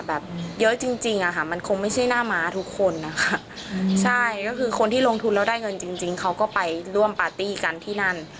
แบบเยอะจริงจริงอ่ะค่ะมันคงไม่ใช่หน้าม้าทุกคนนะคะใช่ก็คือคนที่ลงทุนแล้วได้เงินจริงจริงเขาก็ไปร่วมปาร์ตี้กันที่นั่น